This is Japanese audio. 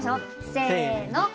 せの。